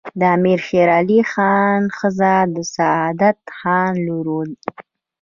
د امیر شیرعلي خان ښځه د سعادت خان لور